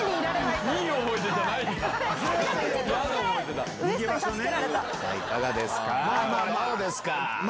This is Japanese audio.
いかがですか？